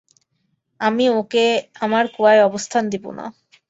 আমি ওকে আমার কুয়ায় স্থান দিব না।